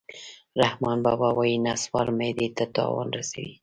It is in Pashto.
رحمان بابا وایي: نصوار معدې ته تاوان رسوي